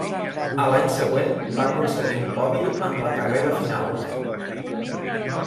A l'any següent va aconseguir un podi en la carrera final.